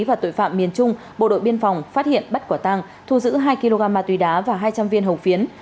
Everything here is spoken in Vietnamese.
và tội phạm miền trung bộ đội biên phòng phát hiện bắt quả tăng thu giữ hai kg ma túy đá và hai trăm linh viên hồng phiến